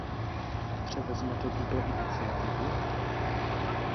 Převezmete tuto iniciativu?